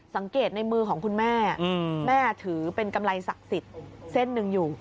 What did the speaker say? สังเกตในมือของคุณแม่แม่ถือเป็นกำไรศักดิ์สิทธิ์เส้นหนึ่งอยู่